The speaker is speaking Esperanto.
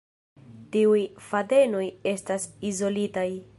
Tiuj fadenoj estas izolitaj.